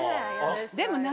でも。